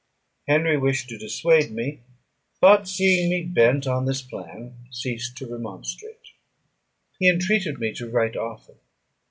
Henry wished to dissuade me; but, seeing me bent on this plan, ceased to remonstrate. He entreated me to write often.